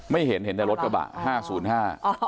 ไม่เห็นเห็นแต่รถกระบะห้าศูนย์ห้า